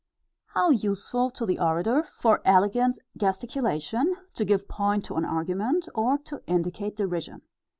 How useful to the orator, for elegant gesticulation, to give point to an argument, or to indicate derision.